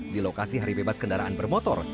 di lokasi hari bebas kendaraan bermotor